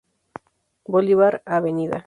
Bolívar, Av.